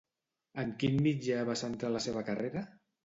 En quin mitjà va centrar la seva carrera?